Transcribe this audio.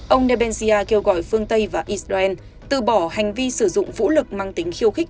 ông nebensia kêu gọi phương tây và israel từ bỏ hành vi sử dụng vũ lực mang tính khiêu khích